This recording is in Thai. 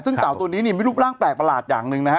ซึ่งเต่าตัวนี้เนี่ยมีรูปร่างแปลกประหลาดอย่างหนึ่งนะฮะ